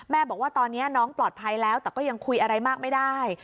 บอกว่าตอนนี้น้องปลอดภัยแล้วแต่ก็ยังคุยอะไรมากไม่ได้